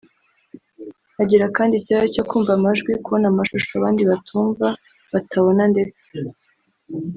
Agira kandi ikibazo cyo kumva amajwi / kubona amashusho abandi batumva/batabona ndetse